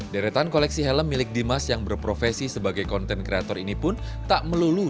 deretan koleksi helm milik dimas yang berprofesi sebagai konten kreator ini pun tak melulu